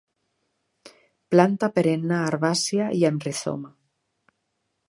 Planta perenne herbàcia i amb rizoma.